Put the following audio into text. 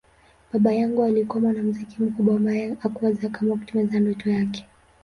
Baba yangu alikuwa mwanamuziki mkubwa ambaye hakuweza kamwe kutimiza ndoto yake.